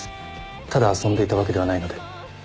ただ遊んでいたわけではないので。